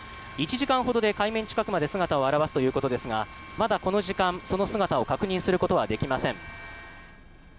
１時間ほどで海面近くまで姿を現すということですがまだこの時間、その姿を確認することはできません。